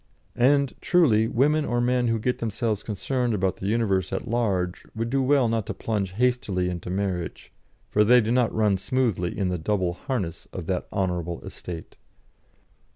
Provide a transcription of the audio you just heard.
And, truly, women or men who get themselves concerned about the universe at large, would do well not to plunge hastily into marriage, for they do not run smoothly in the double harness of that honourable estate.